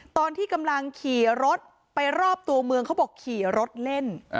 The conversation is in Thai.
ตอนที่กำลังขี่รถไปรอบตัวเมืองเขาบอกขี่รถเล่น